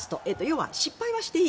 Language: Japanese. つまり失敗はしていい。